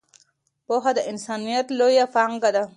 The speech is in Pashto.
پوهه د انسانیت لویه پانګه ده.